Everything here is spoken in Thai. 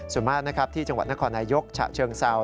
ส่วนมากนะครับที่จังหวัดนครนายกฉะเชิงเซา